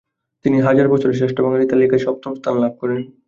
তিনি হাজার বছরের শ্রেষ্ঠ বাঙালির তালিকায় সপ্তম স্থান লাভ করেন।